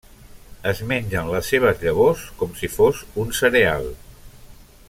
Es mengen les seves llavors com si fos un cereal.